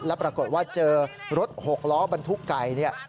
แล้วปรากฏว่าเจอรถ๖ล้อบรรทุกไก่เนี่ย